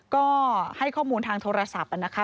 ก็ให้ข้อมูลทางโทรศัพท์นะคะ